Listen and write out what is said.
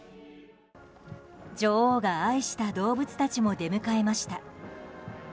女王が愛した動物たちも出迎えました。